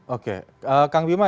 oke kang bima